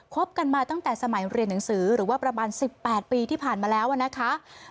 บกันมาตั้งแต่สมัยเรียนหนังสือหรือว่าประมาณ๑๘ปีที่ผ่านมาแล้วนะคะ